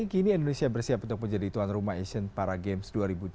kini indonesia bersiap untuk menjadi tuan rumah asian para games dua ribu delapan belas